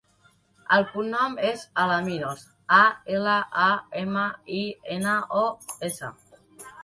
El cognom és Alaminos: a, ela, a, ema, i, ena, o, essa.